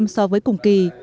so với cùng kỳ